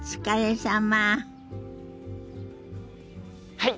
はい！